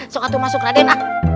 sokatu masuk raden